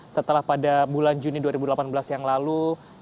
setelah pada bulan juni dua ribu delapan belas yang lalu